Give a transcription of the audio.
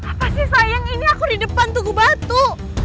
apa sih sayang ini aku di depan tugu batu